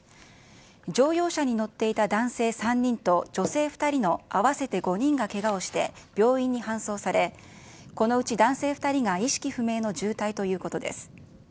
乗用車に乗っていた男性３人と女性２人の合わせて５人がけがをして病院に搬送され、このうち男性２人が意識不明の重体ということです。